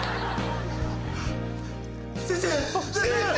先生！